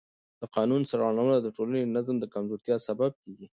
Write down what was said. د قانون سرغړونه د ټولنې د نظم د کمزورتیا سبب کېږي